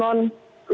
itu tidak selesai